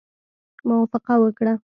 موافقه وکړه.